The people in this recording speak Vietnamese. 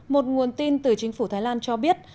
một nguồn tin từ chính phủ thái lan cho biết